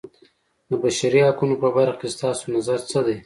د بشري حقونو په برخه کې ستاسو نظر څه دی.